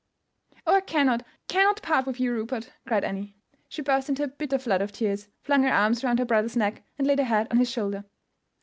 "Oh, I cannot, cannot part with you, Rupert!" cried Annie. She burst into a bitter flood of tears, flung her arms round her brother's neck, and laid her head on his shoulder.